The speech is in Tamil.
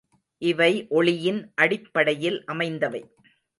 இவை ஒளியின் அடிப்படையில் அமைந்தவை.